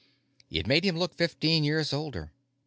It made him look fifteen years older.